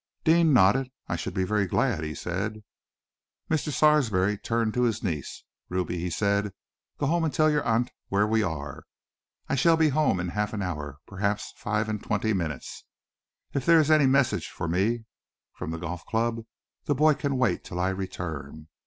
Deane nodded. "I should be very glad," he said. Mr. Sarsby turned to his niece. "Ruby," he said, "go home and tell your aunt where we are. I shall be home in half an hour, perhaps five and twenty minutes. If there is any message for me from the golf club, the boy can wait till I return.